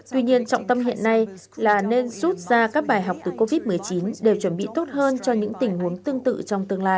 tuy nhiên trọng tâm hiện nay là nên rút ra các bài học từ covid một mươi chín đều chuẩn bị tốt hơn cho những tình huống tương tự trong tương lai